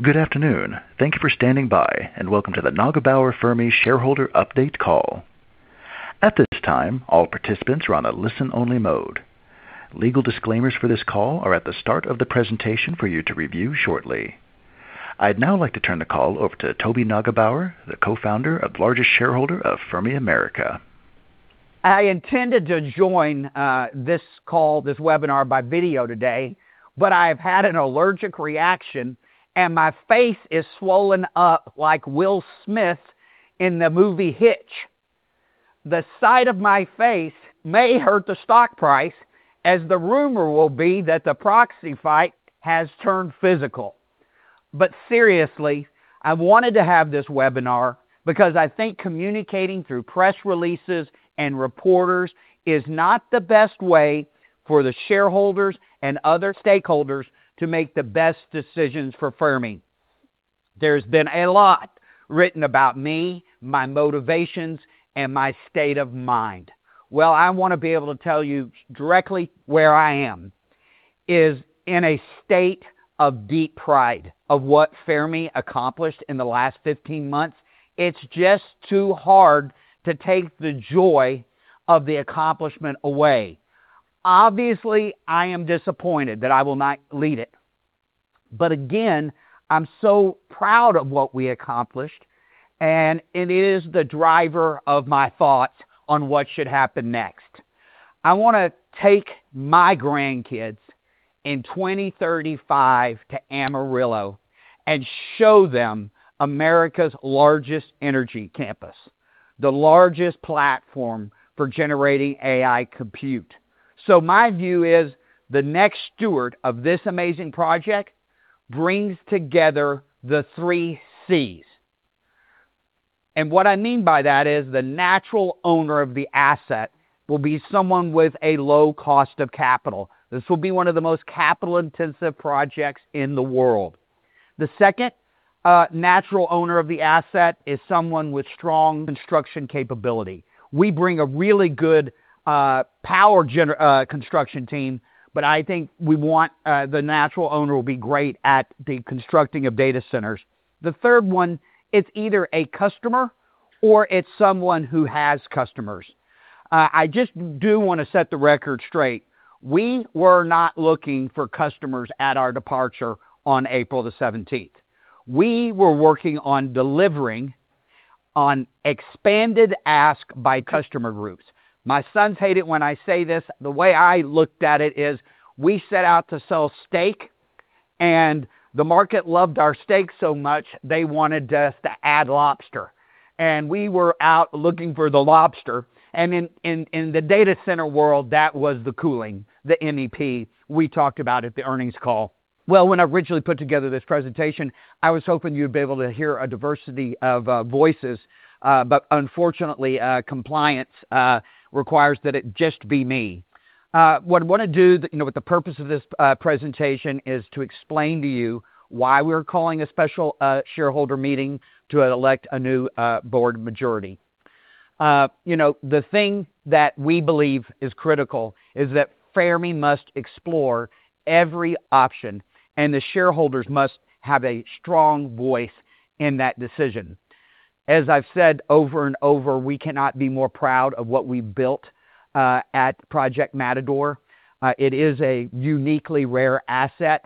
Good afternoon. Thank you for standing by, and welcome to the Neugebauer Fermi shareholder update call. At this time, all participants are on a listen-only mode. Legal disclaimers for this call are at the start of the presentation for you to review shortly. I'd now like to turn the call over to Toby Neugebauer, the Co-founder and Largest Shareholder of Fermi America. I intended to join this call, this webinar by video today, but I've had an allergic reaction, and my face is swollen up like Will Smith in the movie "Hitch." The sight of my face may hurt the stock price, as the rumor will be that the proxy fight has turned physical. Seriously, I wanted to have this webinar because I think communicating through press releases and reporters is not the best way for the shareholders and other stakeholders to make the best decisions for Fermi. There's been a lot written about me, my motivations, and my state of mind. I want to be able to tell you directly where I am, is in a state of deep pride of what Fermi accomplished in the last 15 months. It's just too hard to take the joy of the accomplishment away. Obviously, I am disappointed that I will not lead it. Again, I'm so proud of what we accomplished, and it is the driver of my thoughts on what should happen next. I want to take my grandkids in 2035 to Amarillo and show them America's largest energy campus, the largest platform for generating AI compute. My view is the next steward of this amazing project brings together the 3 Cs. What I mean by that is the natural owner of the asset will be someone with a low cost of capital. This will be one of the most capital-intensive projects in the world. The second natural owner of the asset is someone with strong construction capability. We bring a really good power construction team, but I think we want the natural owner will be great at the constructing of data centers. The third one is either a customer or it's someone who has customers. I just do want to set the record straight. We were not looking for customers at our departure on April the 17th. We were working on delivering on expanded ask by customer groups. My sons hate it when I say this. The way I looked at it is we set out to sell steak. The market loved our steak so much they wanted us to add lobster. We were out looking for the lobster. In the data center world, that was the cooling, the MEP we talked about at the earnings call. When I originally put together this presentation, I was hoping you'd be able to hear a diversity of voices. Unfortunately, compliance requires that it just be me. What I want to do, the purpose of this presentation is to explain to you why we're calling a special shareholder meeting to elect a new board majority. The thing that we believe is critical is that Fermi must explore every option, and the shareholders must have a strong voice in that decision. As I've said over and over, we cannot be more proud of what we built at Project Matador. It is a uniquely rare asset.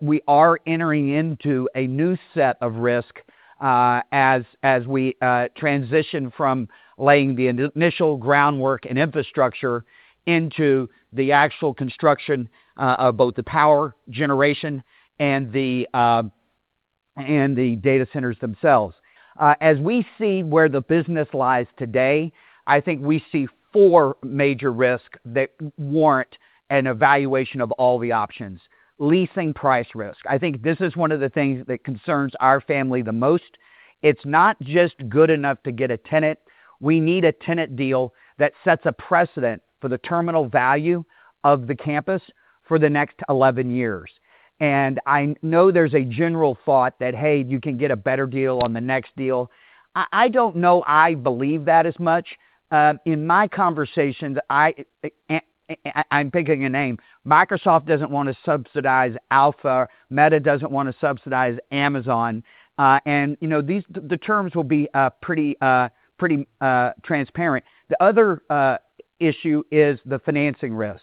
We are entering into a new set of risk as we transition from laying the initial groundwork and infrastructure into the actual construction of both the power generation and the data centers themselves. As we see where the business lies today, I think we see four major risks that warrant an evaluation of all the options. Leasing price risk. I think this is one of the things that concerns our family the most. It's not just good enough to get a tenant. We need a tenant deal that sets a precedent for the terminal value of the campus for the next 11 years. I know there's a general thought that, hey, you can get a better deal on the next deal. I don't know I believe that as much. In my conversations, I'm picking a name, Microsoft doesn't want to subsidize Alphabet. Meta doesn't want to subsidize Amazon. The terms will be pretty transparent. The other issue is the financing risk.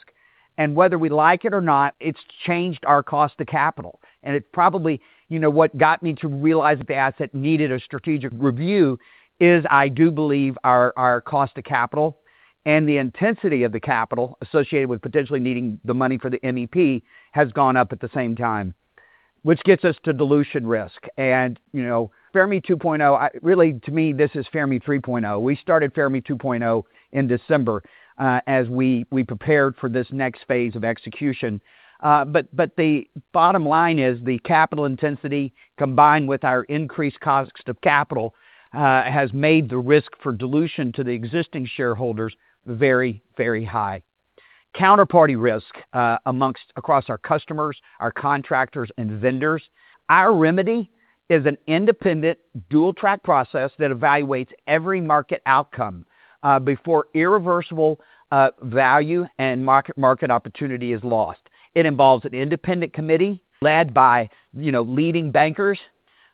Whether we like it or not, it's changed our cost to capital. It probably, what got me to realize the asset needed a strategic review is I do believe our cost to capital and the intensity of the capital associated with potentially needing the money for the MEP has gone up at the same time, which gets us to dilution risk. Fermi 2.0, really, to me, this is Fermi 3.0. We started Fermi 2.0 in December as we prepared for this next phase of execution. The bottom line is the capital intensity combined with our increased cost of capital has made the risk for dilution to the existing shareholders very, very high. Counterparty risk across our customers, our contractors, and vendors. Our remedy is an independent dual-track process that evaluates every market outcome before irreversible value and market opportunity is lost. It involves an independent committee led by leading bankers.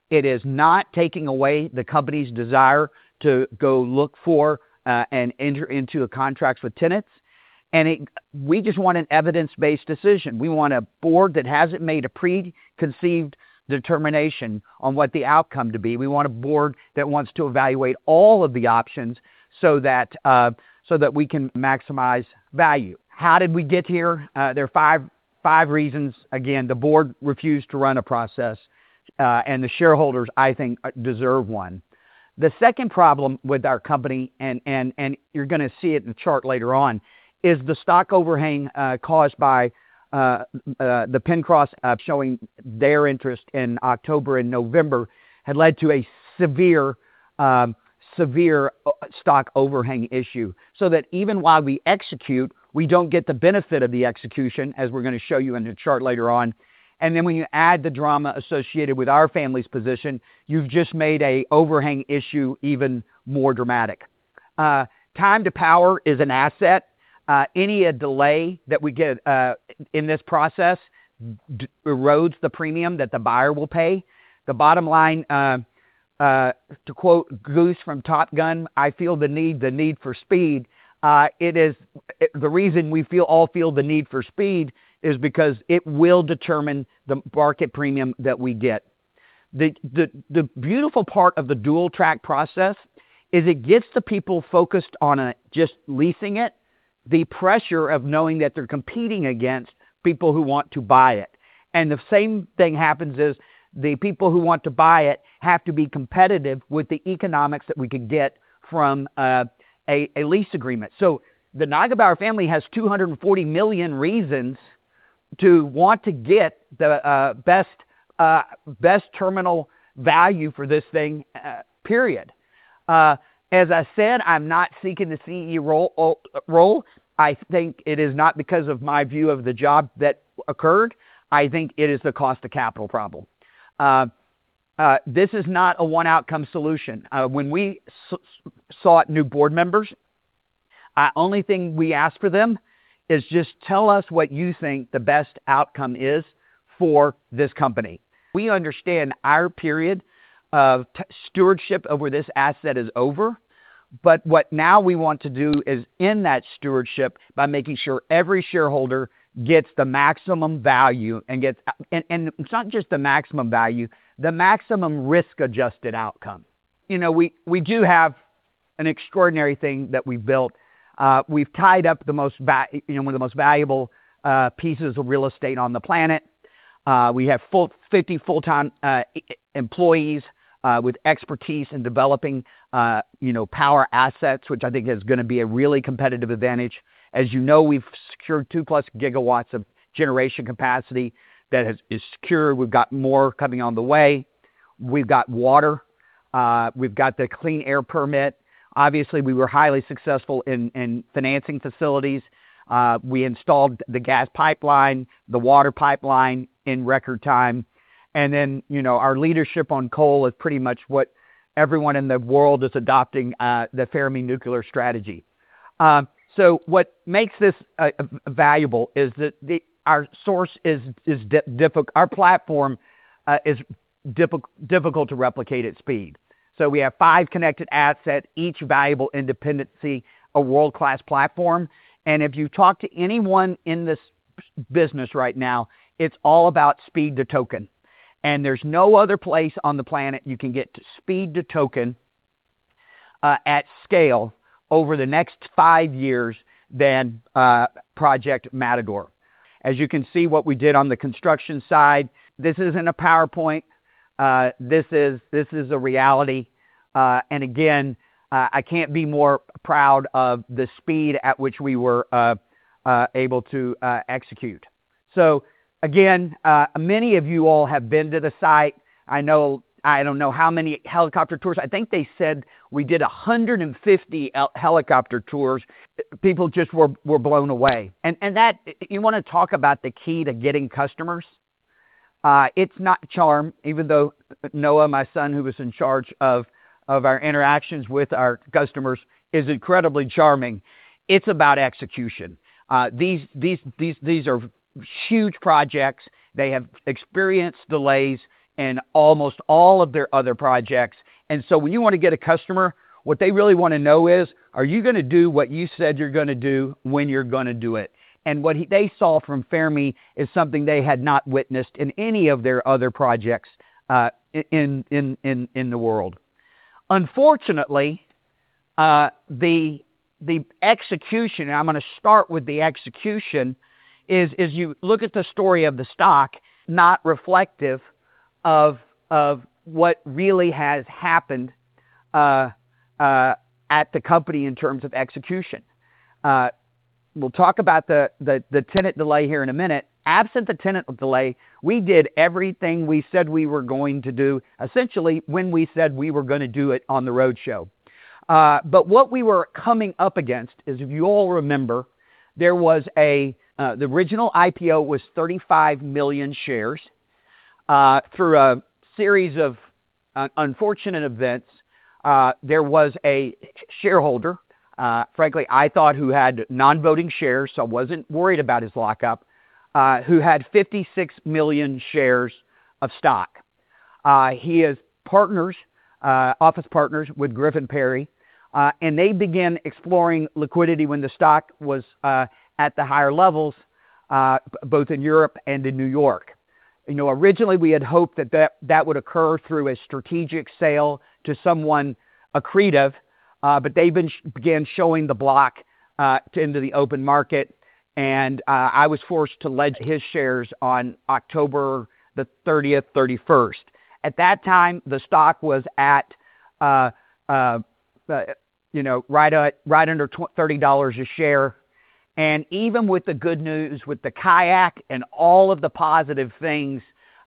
It is not taking away the company's desire to go look for and enter into contracts with tenants. We just want an evidence-based decision. We want a board that hasn't made a preconceived determination on what the outcome to be. We want a board that wants to evaluate all of the options so that we can maximize value. How did we get here? There are five reasons. Again, the board refused to run a process. The shareholders, I think, deserve one. The second problem with our company, and you're going to see it in the chart later on, is the stock overhang caused by the PennCross showing their interest in October and November had led to a severe stock overhang issue. That even while we execute, we don't get the benefit of the execution, as we're going to show you in a chart later on. When you add the drama associated with our family's position, you've just made a overhang issue even more dramatic. Time to power is an asset. Any delay that we get in this process erodes the premium that the buyer will pay. The bottom line, to quote Goose from "Top Gun," "I feel the need, the need for speed." The reason we all feel the need for speed is because it will determine the market premium that we get. The beautiful part of the dual-track process is it gets the people focused on just leasing it, the pressure of knowing that they're competing against people who want to buy it. The same thing happens is the people who want to buy it have to be competitive with the economics that we could get from a lease agreement. The Neugebauer family has 240 million reasons to want to get the best terminal value for this thing, period. As I said, I'm not seeking the CEO role. I think it is not because of my view of the job that occurred. I think it is the cost of capital problem. This is not a one-outcome solution. When we sought new board members, only thing we asked for them is just tell us what you think the best outcome is for this company. We understand our period of stewardship over this asset is over. What now we want to do is end that stewardship by making sure every shareholder gets the maximum value. It's not just the maximum value, the maximum risk-adjusted outcome. We do have an extraordinary thing that we've built. We've tied up one of the most valuable pieces of real estate on the planet. We have 50 full-time employees with expertise in developing power assets, which I think is going to be a really competitive advantage. As you know, we've secured 2+ GW of generation capacity that is secure. We've got more coming on the way. We've got water. We've got the Clean Air Permit. Obviously, we were highly successful in financing facilities. We installed the gas pipeline, the water pipeline in record time. Our leadership on coal is pretty much what everyone in the world is adopting the Fermi nuclear strategy. What makes this valuable is that our platform is difficult to replicate at speed. We have five connected assets, each valuable independency, a world-class platform. If you talk to anyone in this business right now, it's all about speed to token. There's no other place on the planet you can get speed to token at scale over the next five years than Project Matador. As you can see what we did on the construction side, this isn't a PowerPoint. This is a reality. Again, I can't be more proud of the speed at which we were able to execute. Again, many of you all have been to the site. I don't know how many helicopter tours. I think they said we did 150 helicopter tours. People just were blown away. You want to talk about the key to getting customers? It's not charm, even though Noah, my son, who was in charge of our interactions with our customers, is incredibly charming. It's about execution. These are huge projects. They have experienced delays in almost all of their other projects. When you want to get a customer, what they really want to know is, are you going to do what you said you're going to do when you're going to do it? What they saw from Fermi is something they had not witnessed in any of their other projects in the world. Unfortunately, the execution, and I'm going to start with the execution, is you look at the story of the stock, not reflective of what really has happened at the company in terms of execution. We'll talk about the tenant delay here in a minute. Absent the tenant delay, we did everything we said we were going to do, essentially when we said we were going to do it on the roadshow. What we were coming up against is, if you all remember, the original IPO was 35 million shares. Through a series of unfortunate events, there was a shareholder, frankly, I thought who had non-voting shares, so I wasn't worried about his lock-up, who had 56 million shares of stock. They began exploring liquidity when the stock was at the higher levels, both in Europe and in New York. Originally, we had hoped that that would occur through a strategic sale to someone accretive, They began showing the block into the open market, I was forced to pledge his shares on October the 30th, 31st. At that time, the stock was at right under $30 a share. Even with the good news, with the [KAYAK] and all of the positive things,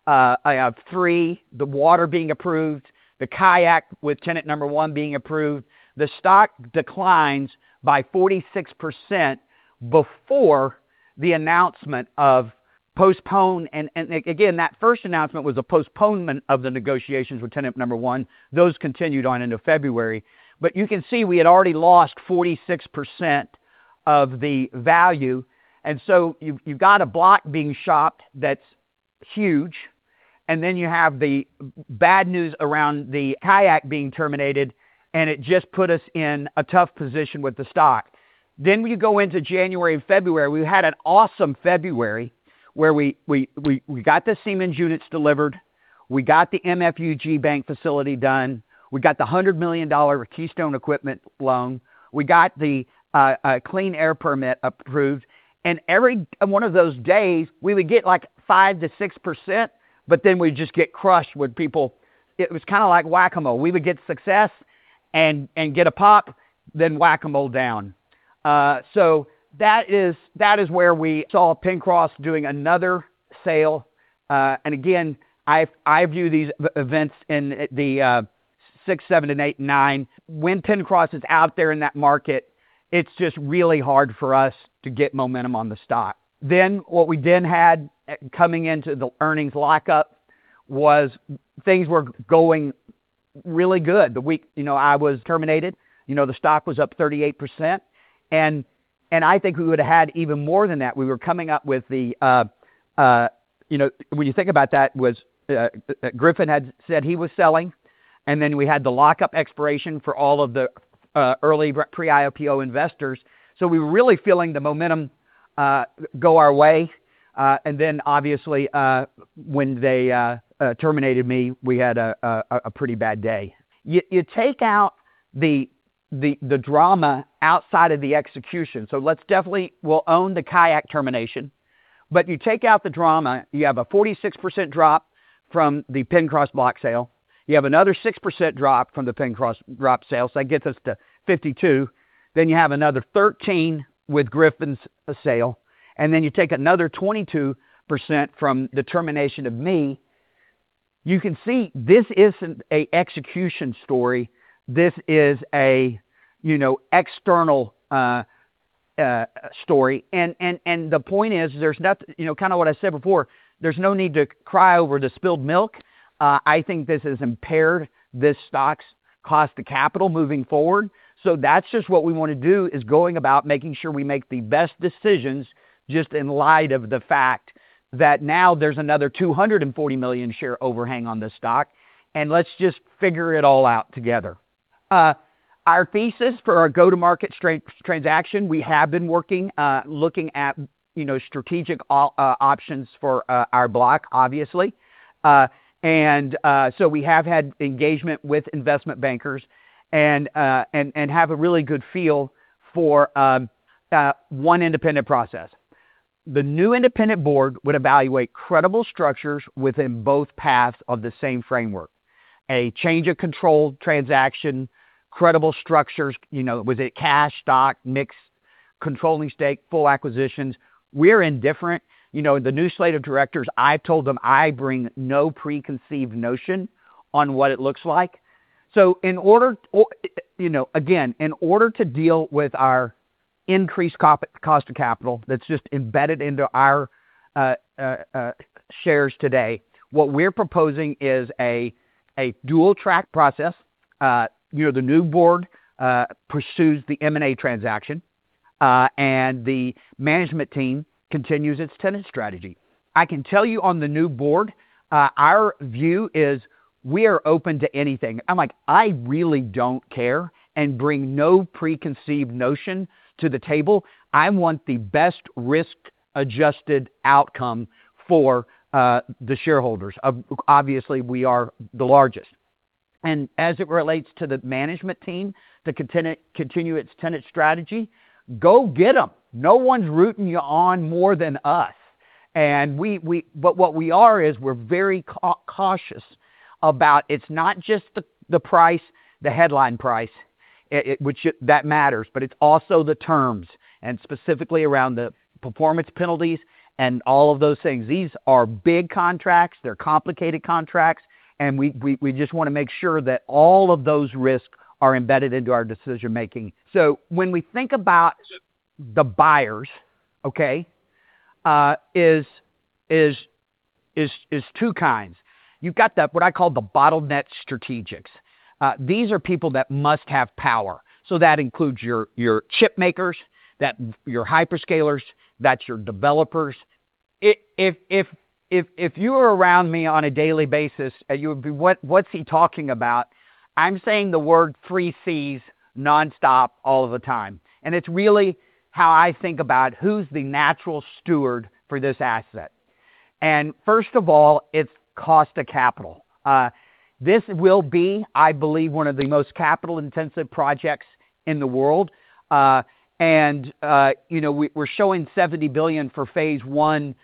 I have three, the water being approved, the [KAYAK] with tenant number one being approved. The stock declines by 46% before the announcement of postponement. Again, that first announcement was a postponement of the negotiations with tenant number one. Those continued on into February. You can see we had already lost 46% of the value. You've got a block being shopped that's huge, and then you have the bad news around the [KAYAK] being terminated, and it just put us in a tough position with the stock. We go into January and February. We had an awesome February where we got the Siemens units delivered, we got the MUFG bank facility done, we got the $100 million Keystone Equipment loan, we got the Clean Air Permit approved. Every one of those days, we would get 5%-6%, but then we'd just get crushed with people. It was like Whac-A-Mole. We would get success and get a pop, then Whac-A-Mole down. That is where we saw PennCross doing another sale. Again, I view these events in the 6, 7, and 8, 9. When PennCross is out there in that market, it's just really hard for us to get momentum on the stock. What we then had coming into the earnings lock-up was things were going really good. I was terminated. The stock was up 38%, and I think we would've had even more than that. When you think about that, Griffin had said he was selling, and then we had the lock-up expiration for all of the early pre-IPO investors. We were really feeling the momentum go our way. Obviously, when they terminated me, we had a pretty bad day. You take out the drama outside of the execution. Let's definitely, we'll own the [KAYAK] termination. You take out the drama, you have a 46% drop from the PennCross block sale. You have another 6% drop from the PennCross drop sale, so that gets us to 52%. You have another 13% with Griffin's sale, and then you take another 22% from the termination of me. You can see this isn't an execution story. This is a external story. The point is, what I said before, there's no need to cry over the spilled milk. I think this has impaired this stock's cost to capital moving forward. That's just what we want to do, is going about making sure we make the best decisions, just in light of the fact that now there's another 240 million share overhang on this stock, and let's just figure it all out together. Our thesis for our go-to-market transaction, we have been looking at strategic options for our block, obviously. We have had engagement with investment bankers and have a really good feel for one independent process. The new independent board would evaluate credible structures within both paths of the same framework. A change of control transaction, credible structures, was it cash, stock, mix, controlling stake, full acquisitions? We're indifferent. The new slate of directors, I've told them I bring no preconceived notion on what it looks like. Again, in order to deal with our increased cost of capital that's just embedded into our shares today, what we're proposing is a dual-track process. The new board pursues the M&A transaction, the management team continues its tenant strategy. I can tell you on the new board, our view is we are open to anything. I'm like, I really don't care and bring no preconceived notion to the table. I want the best risk-adjusted outcome for the shareholders. Obviously, we are the largest. As it relates to the management team to continue its tenant strategy, go get them. No one's rooting you on more than us. What we are is we're very cautious about it's not just the headline price that matters, but it's also the terms, and specifically around the performance penalties and all of those things. These are big contracts, they're complicated contracts, and we just want to make sure that all of those risks are embedded into our decision-making. When we think about the buyers. Okay, is two kinds. You've got what I call the bottleneck strategics. These are people that must have power. That includes your chip makers, your hyperscalers, that's your developers. If you were around me on a daily basis, you would be, "What's he talking about?" I'm saying the word three Cs nonstop all of the time. It's really how I think about who's the natural steward for this asset. First of all, it's cost of capital. This will be, I believe, one of the most capital-intensive projects in the world. We're showing $70 billion for phase one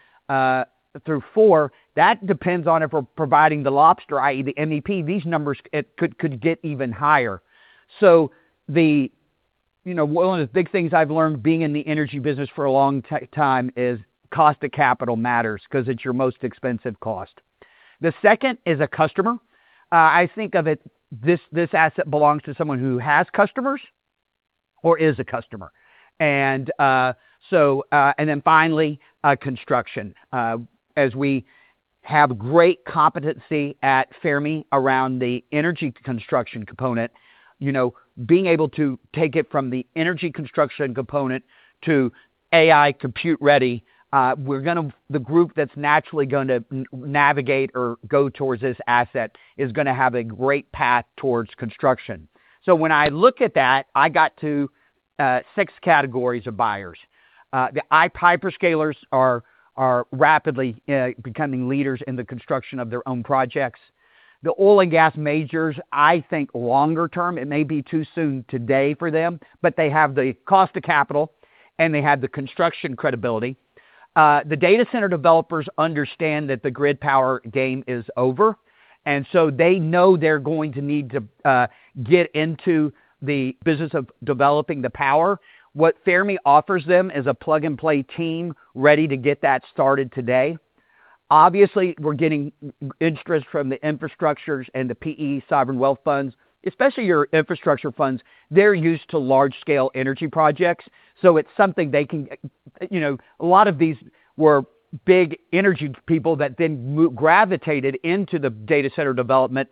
through four. That depends on if we're providing the lobster, i.e., the MEP. These numbers could get even higher. One of the big things I've learned being in the energy business for a long time is cost of capital matters because it's your most expensive cost. The second is a customer. I think of it, this asset belongs to someone who has customers or is a customer. Then finally, construction. As we have great competency at Fermi around the energy construction component, being able to take it from the energy construction component to AI compute ready, the group that's naturally going to navigate or go towards this asset is going to have a great path towards construction. When I look at that, I got to six categories of buyers. The hyperscalers are rapidly becoming leaders in the construction of their own projects. The oil and gas majors, I think longer-term, it may be too soon today for them, but they have the cost of capital, and they have the construction credibility. The data center developers understand that the grid power game is over, and so they know they're going to need to get into the business of developing the power. What Fermi offers them is a plug-and-play team ready to get that started today. Obviously, we're getting interest from the infrastructures and the PE sovereign wealth funds, especially your infrastructure funds. They're used to large-scale energy projects, so it's something A lot of these were big energy people that then gravitated into the data center development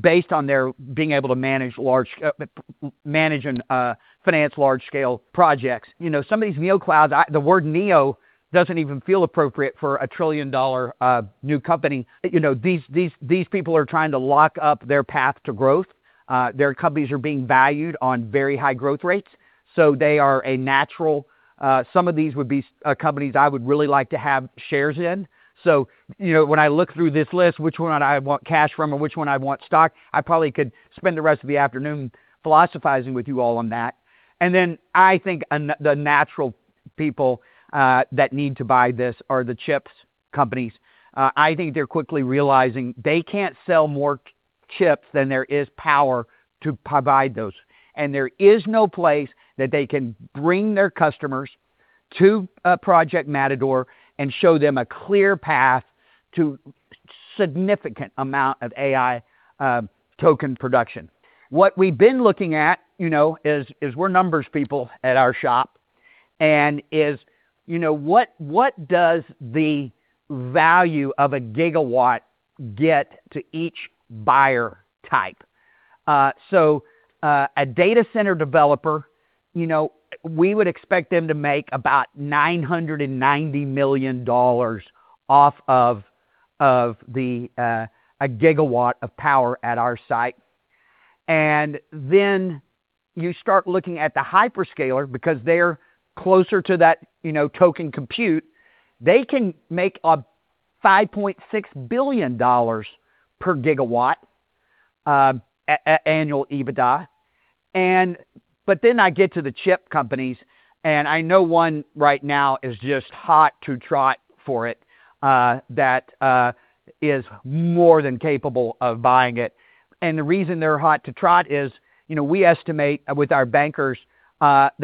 based on their being able to manage and finance large-scale projects. Some of these neoclouds, the word neo doesn't even feel appropriate for a trillion-dollar new company. These people are trying to lock up their path to growth. Their companies are being valued on very high growth rates. They are a natural. Some of these would be companies I would really like to have shares in. When I look through this list, which one I want cash from and which one I want stock, I probably could spend the rest of the afternoon philosophizing with you all on that. I think the natural people that need to buy this are the chips companies. I think they're quickly realizing they can't sell more chips than there is power to provide those. There is no place that they can bring their customers to Project Matador and show them a clear path to significant amount of AI token production. What we've been looking at is we're numbers people at our shop and is what does the value of a gigawatt get to each buyer type? A data center developer, we would expect them to make about $990 million off of a gigawatt of power at our site. You start looking at the hyperscaler because they're closer to that token compute. They can make a $5.6 billion per gigawatt annual EBITDA. I get to the chip companies, I know one right now is just hot to trot for it that is more than capable of buying it. The reason they're hot to trot is we estimate with our bankers that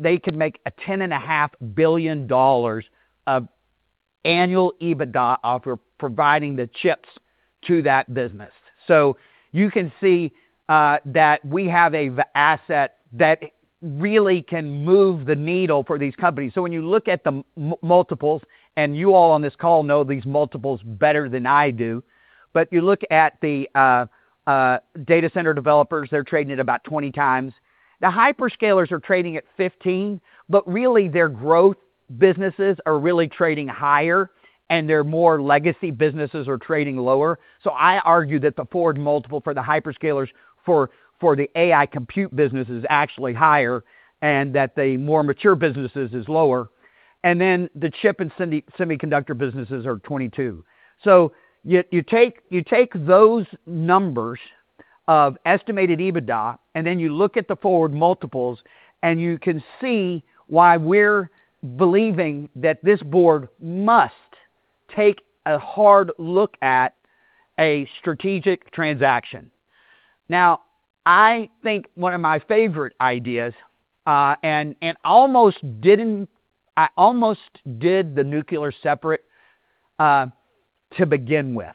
they could make a $10.5 billion of annual EBITDA off of providing the chips to that business. You can see that we have a asset that really can move the needle for these companies. When you look at the multiples, you all on this call know these multiples better than I do, you look at the data center developers, they're trading at about 20x. The hyperscalers are trading at 15x, really their growth businesses are really trading higher, their more legacy businesses are trading lower. I argue that the forward multiple for the hyperscalers for the AI compute business is actually higher and that the more mature businesses is lower. The chip and semiconductor businesses are 22. You take those numbers of estimated EBITDA, and then you look at the forward multiples, and you can see why we're believing that this board must take a hard look at a strategic transaction. I think one of my favorite ideas, and I almost did the nuclear separate to begin with.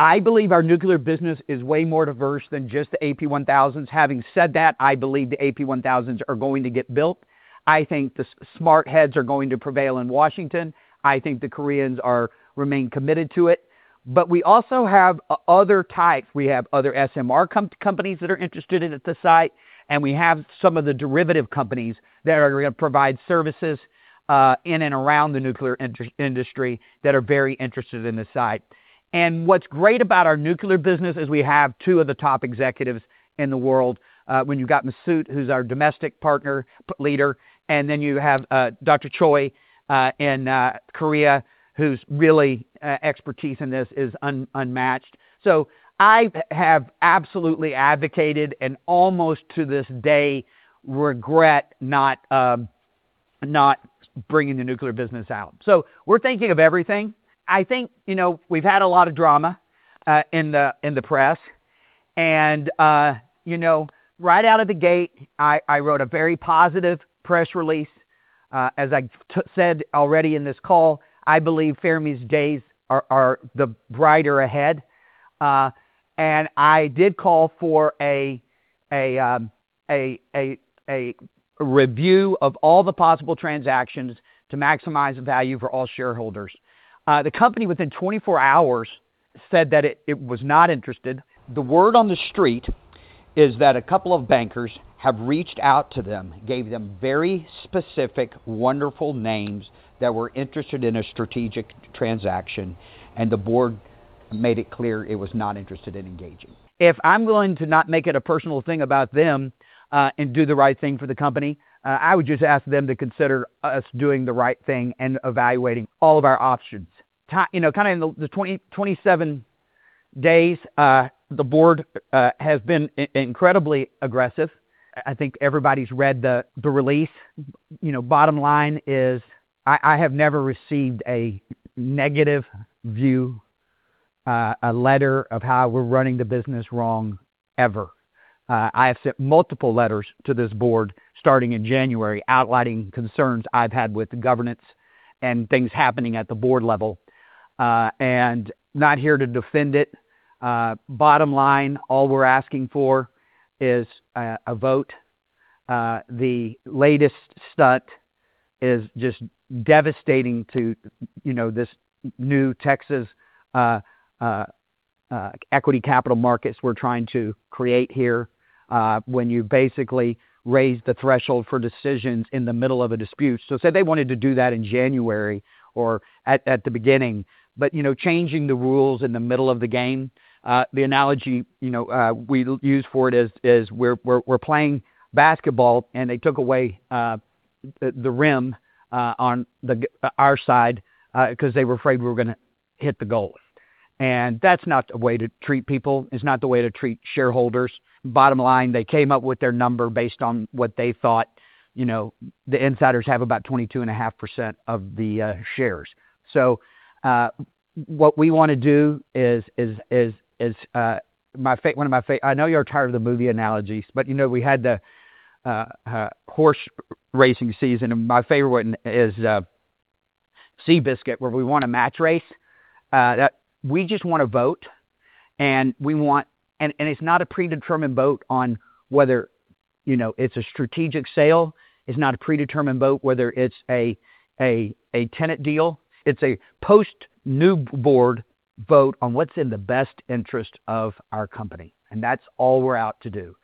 I believe our nuclear business is way more diverse than just the AP1000s. Having said that, I believe the AP1000s are going to get built. I think the smart heads are going to prevail in Washington. I think the Koreans remain committed to it. We also have other types. We have other SMR companies that are interested in the site, and we have some of the derivative companies that are going to provide services in and around the nuclear industry that are very interested in the site. What's great about our nuclear business is we have two of the top executives in the world. When you've got Mesut, who's our domestic partner leader, and then you have Dr. Choi in Korea, whose real expertise in this is unmatched. I have absolutely advocated and almost to this day regret not bringing the nuclear business out. We're thinking of everything. I think we've had a lot of drama in the press. Right out of the gate, I wrote a very positive press release. As I said already in this call, I believe Fermi's days are the brighter ahead. I did call for a review of all the possible transactions to maximize the value for all shareholders. The company within 24 hours said that it was not interested. The word on the street is that a couple of bankers have reached out to them, gave them very specific, wonderful names that were interested in a strategic transaction, and the board made it clear it was not interested in engaging. If I'm willing to not make it a personal thing about them and do the right thing for the company, I would just ask them to consider us doing the right thing and evaluating all of our options. In the 27 days, the board has been incredibly aggressive. I think everybody's read the release. Bottom line is I have never received a negative view, a letter of how we're running the business wrong ever. I have sent multiple letters to this board starting in January outlining concerns I've had with governance and things happening at the board level. Not here to defend it. Bottom line, all we're asking for is a vote. The latest stunt is just devastating to this new Texas equity capital markets we're trying to create here when you basically raise the threshold for decisions in the middle of a dispute. Say they wanted to do that in January or at the beginning. Changing the rules in the middle of the game, the analogy we use for it is we're playing basketball and they took away the rim on our side because they were afraid we were going to hit the goal. That's not the way to treat people. It's not the way to treat shareholders. Bottom line, they came up with their number based on what they thought the insiders have about 22.5% of the shares. What we want to do is, one of my, I know you're tired of the movie analogies, but we had the horse racing season, and my favorite one is Seabiscuit where we won a match race. We just want to vote, and it's not a predetermined vote on whether it's a strategic sale. It's not a predetermined vote whether it's a tenant deal. It's a post new board vote on what's in the best interest of our company. That's all we're out to do.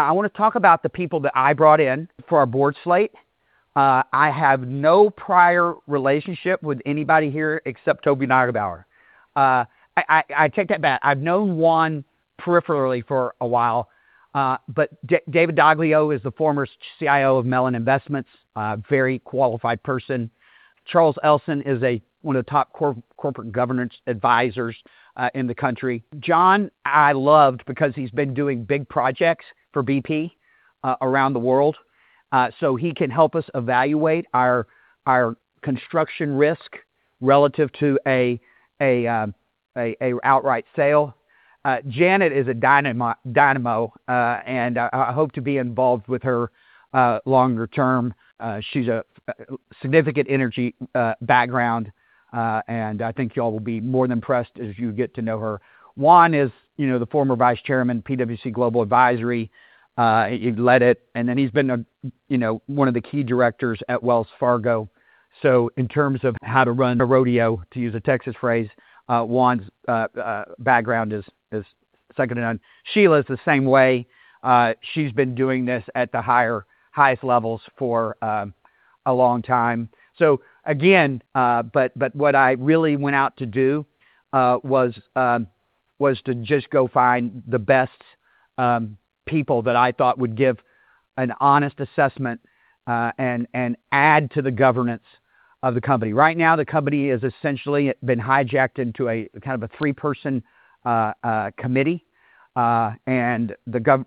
I want to talk about the people that I brought in for our board slate. I have no prior relationship with anybody here except Toby Neugebauer. I take that back. I've known Juan peripherally for a while. David Daglio is the former CIO of Mellon Investments, a very qualified person. Charles Elson is one of the top corporate governance advisors in the country. John, I loved because he's been doing big projects for BP around the world. He can help us evaluate our construction risk relative to an outright sale. Janet is a dynamo and I hope to be involved with her longer term. She's a significant energy background and I think you all will be more than impressed as you get to know her. Juan is the former vice chairman, PwC Global Advisory. He led it and then he's been one of the key directors at Wells Fargo. In terms of how to run a rodeo, to use a Texas phrase, Juan's background is second to none. Sheila is the same way. What I really went out to do was to just go find the best people that I thought would give an honest assessment and add to the governance of the company. Right now, the company has essentially been hijacked into a kind of a three-person committee.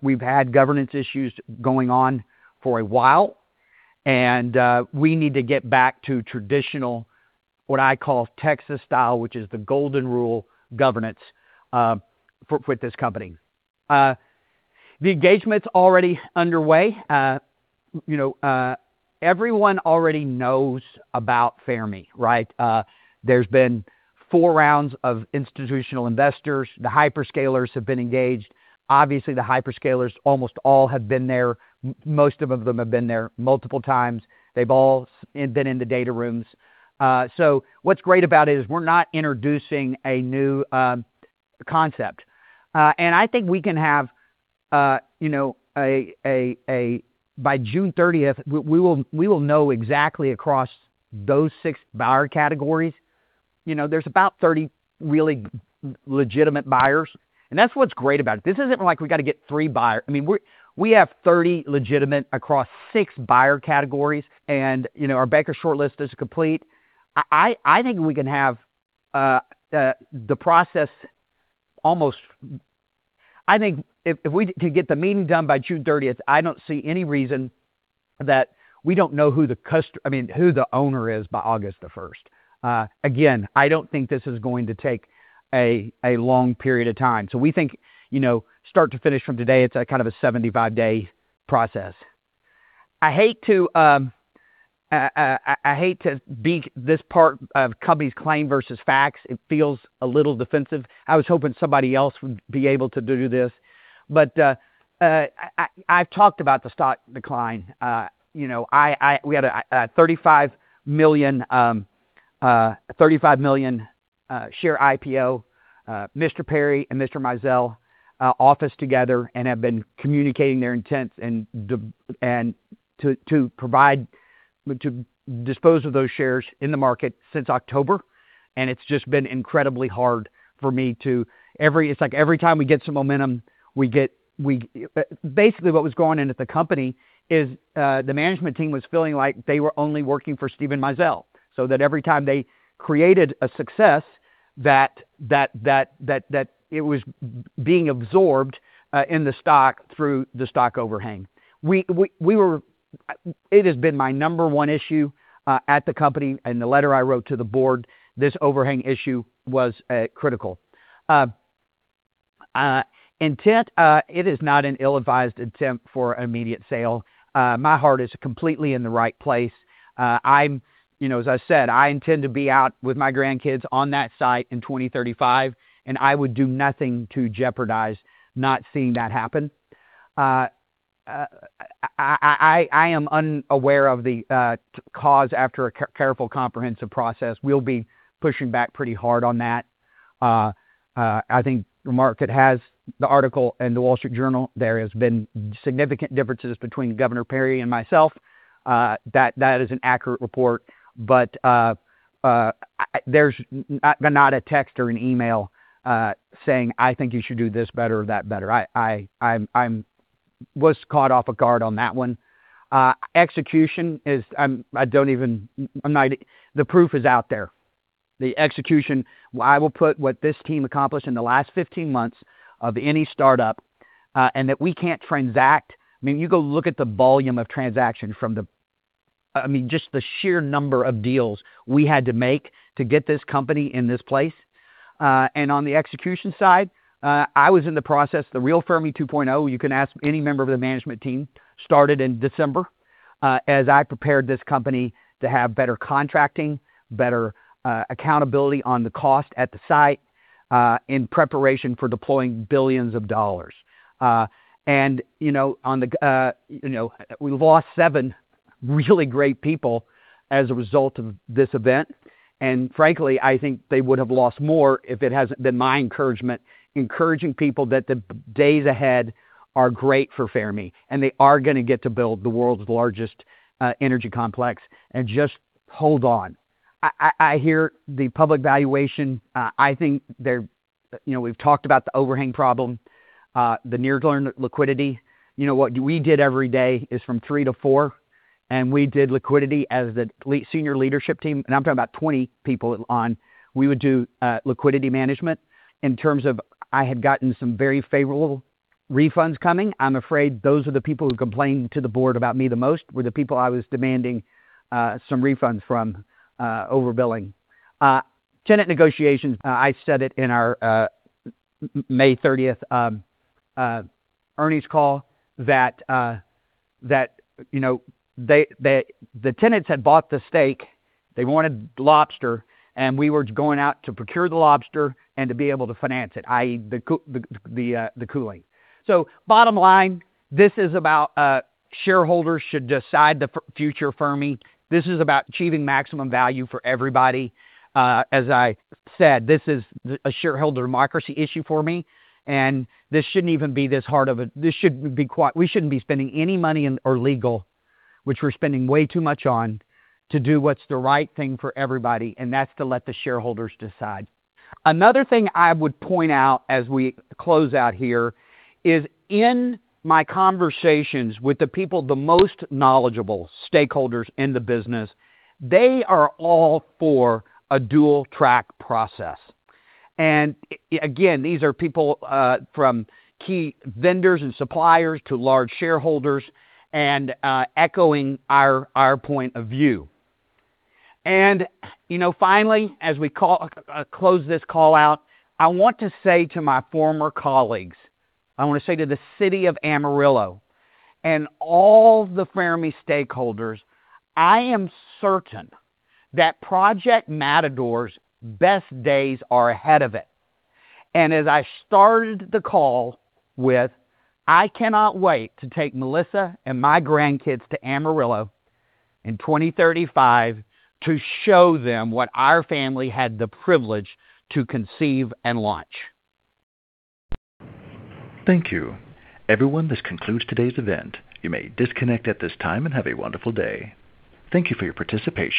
We've had governance issues going on for a while. We need to get back to traditional, what I call Texas style, which is the golden rule governance with this company. The engagement's already underway. Everyone already knows about Fermi, right? There's been four rounds of institutional investors. The hyperscalers have been engaged. Obviously, the hyperscalers almost all have been there. Most of them have been there multiple times. They've all been in the data rooms. What's great about it is we're not introducing a new concept. I think we can have, by June 30th, we will know exactly across those six buyer categories. There's about 30 really legitimate buyers, and that's what's great about it. This isn't like we've got to get three buyers. We have 30 legitimate across six buyer categories. Our banker shortlist is complete. I think we can have the process. I think if we could get the meeting done by June 30th, I don't see any reason that we don't know who the owner is by August 1st. I don't think this is going to take a long period of time. We think start to finish from today, it's a kind of a 75-day process. I hate to be this part of company's claim versus facts. It feels a little defensive. I was hoping somebody else would be able to do this. I've talked about the stock decline. We had a 35 million-share IPO. Mr. Perry and Mr. Mizell office together and have been communicating their intent and to dispose of those shares in the market since October. It's just been incredibly hard for me. It's like every time we get some momentum. What was going on at the company is the management team was feeling like they were only working for Steven Mizell, so that every time they created a success, that it was being absorbed in the stock through the stock overhang. It has been my number one issue at the company and the letter I wrote to the board, this overhang issue was critical. Intent, it is not an ill-advised attempt for immediate sale. My heart is completely in the right place. As I said, I intend to be out with my grandkids on that site in 2035, and I would do nothing to jeopardize not seeing that happen. I am unaware of the cause after a careful, comprehensive process. We'll be pushing back pretty hard on that. I think the market has the article in The Wall Street Journal. There has been significant differences between Governor Perry and myself. That is an accurate report, but there's not a text or an email saying, "I think you should do this better or that better." I was caught off guard on that one. Execution, the proof is out there. The execution, I will put what this team accomplished in the last 15 months of any startup, and that we can't transact. You go look at the volume of transaction from just the sheer number of deals we had to make to get this company in this place. On the execution side, I was in the process, the real Fermi 2.0, you can ask any member of the management team, started in December, as I prepared this company to have better contracting, better accountability on the cost at the site in preparation for deploying $billions. We've lost seven really great people as a result of this event. Frankly, I think they would have lost more if it hasn't been my encouragement, encouraging people that the days ahead are great for Fermi, and they are going to get to build the world's largest energy complex and just hold on. I hear the public valuation. I think we've talked about the overhang problem, the near-term liquidity. What we did every day is from 3:00 to 4:00, and we did liquidity as the senior leadership team, and I'm talking about 20 people on, we would do liquidity management in terms of I had gotten some very favorable refunds coming. I'm afraid those are the people who complained to the board about me the most, were the people I was demanding some refunds from overbilling. Tenant negotiations, I said it in our May 30th earnings call that the tenants had bought the steak, they wanted lobster, and we were going out to procure the lobster and to be able to finance it, i.e., the cooling. Bottom line, this is about shareholders should decide the future of Fermi. This is about achieving maximum value for everybody. As I said, this is a shareholder democracy issue for me, and this shouldn't even be this hard. We shouldn't be spending any money or legal, which we're spending way too much on, to do what's the right thing for everybody, and that's to let the shareholders decide. Another thing I would point out as we close out here is in my conversations with the people, the most knowledgeable stakeholders in the business, they are all for a dual-track process. Again, these are people from key vendors and suppliers to large shareholders and echoing our point of view. Finally, as we close this call out, I want to say to my former colleagues, I want to say to the city of Amarillo and all the Fermi stakeholders, I am certain that Project Matador's best days are ahead of it. As I started the call with, I cannot wait to take Melissa and my grandkids to Amarillo in 2035 to show them what our family had the privilege to conceive and launch. Thank you. Everyone, this concludes today's event. You may disconnect at this time and have a wonderful day. Thank you for your participation.